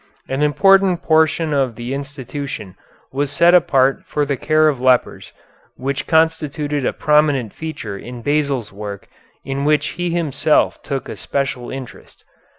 An important portion of the institution was set apart for the care of lepers, which constituted a prominent feature in Basil's work in which he himself took a special interest.